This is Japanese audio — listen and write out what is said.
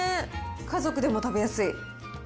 家族でも食べやすい。